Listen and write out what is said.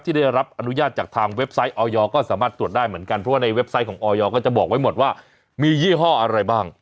ได้รับอนุญาตจากทางเว็บไซต์ออยก็สามารถตรวจได้เหมือนกันเพราะว่าในเว็บไซต์ของออยก็จะบอกไว้หมดว่ามียี่ห้ออะไรบ้าง